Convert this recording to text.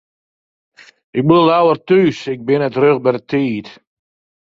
Ik bliuw leaver thús, ik bin net rjocht by de tiid.